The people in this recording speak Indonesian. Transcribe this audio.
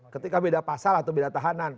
ketika beda pasal atau beda tahanan